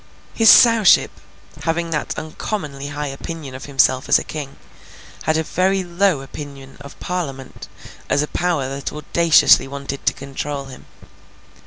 His Sowship, having that uncommonly high opinion of himself as a king, had a very low opinion of Parliament as a power that audaciously wanted to control him.